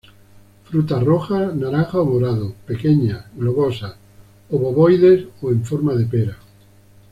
Fruta roja, naranja o morado, pequeñas, globosas, obovoides, o en forma de pera.